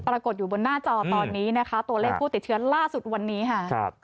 ปรากฏอยู่บนหน้าจอตอนนี้นะคะตัวเลขผู้ติดเชื้อล่าสุดวันนี้ค่ะ